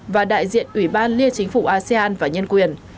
và đại diện ủy ban liên chính phủ asean và nhân quyền